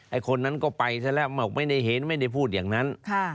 คนนั้นก็ไปซะแล้วบอกไม่ได้เห็นไม่ได้พูดอย่างนั้น